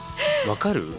分かる？